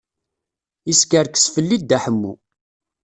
Yeskerkes fell-i Dda Ḥemmu.